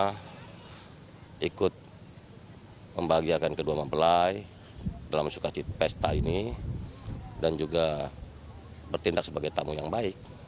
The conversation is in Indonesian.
kita ikut membahagiakan kedua mempelai dalam sukacita pesta ini dan juga bertindak sebagai tamu yang baik